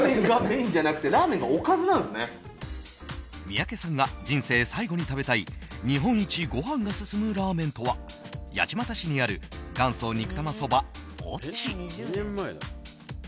三宅さんが人生最後に食べたい日本一ご飯が進むラーメンとは八街市にある元祖肉玉そば越智。